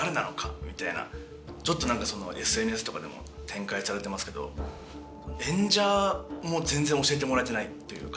みたいなちょっとＳＮＳとかでも展開されてますけど演者も全然教えてもらえてないというか。